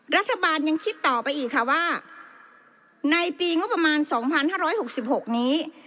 รัฐบาลยังคิดต่อไปอีกค่ะว่าในปีงบประมาณสองพันห้าร้อยหกสิบหกนี้